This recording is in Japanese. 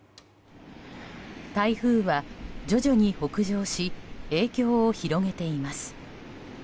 台風は徐々に北上し影響を広げています。